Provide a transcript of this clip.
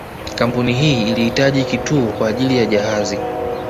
Kampuni hii ilihitaji kituo kwa ajili ya jahazi